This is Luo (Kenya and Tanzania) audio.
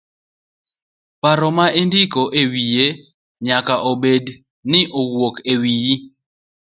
Paro ma indiko ewiye nyaka obed ni owuok ewiyi.